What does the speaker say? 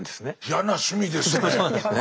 嫌な趣味ですね。